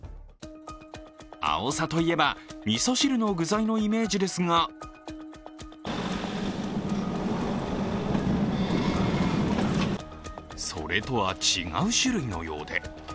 アオサといえば、味噌汁の具材のイメージですがそれとは違う種類のようで。